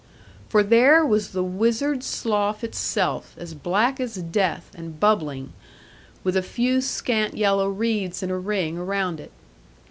For there was the Wizard's Slough itself, as black as death, and bubbling, with a few scant yellow reeds in a ring around it.